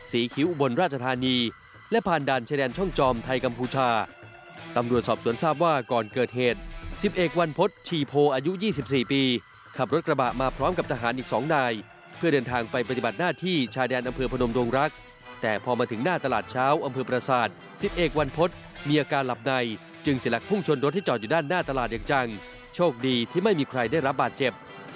สิบเอกวันพศชีโพอายุ๒๔ปีขับรถกระบะมาพร้อมกับทหารอีก๒นายเพื่อเดินทางไปปฏิบัติหน้าที่ชายแดนอำเภอพนมดวงรักแต่พอมาถึงหน้าตลาดเช้าอำเภอปราศาสตร์สิบเอกวันพศมีอาการหลับในจึงเสียหลักพุ่งชนรถที่จอดอยู่ด้านหน้าตลาดอย่างจังโชคดีที่ไม่มีใครได้รับบาดเจ